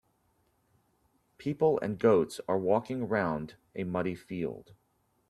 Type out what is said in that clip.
People and goats are walking around a muddy field.